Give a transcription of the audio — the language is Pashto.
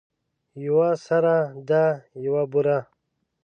یوه سره ده یوه بوره.